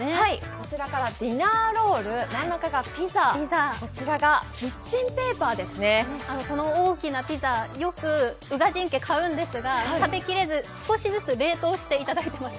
こちらからディナーロール、真ん中がピザ、この大きなピザ宇賀神家、よく買うんですが食べきれず、少しずつ冷凍していただいています。